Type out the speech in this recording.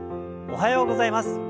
おはようございます。